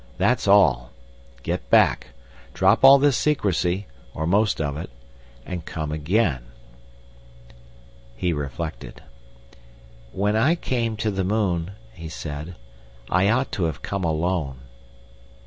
That's all. Get back. Drop all this secrecy—or most of it. And come again." He reflected. "When I came to the moon," he said, "I ought to have come alone."